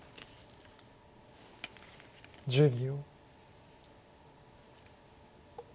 １０秒。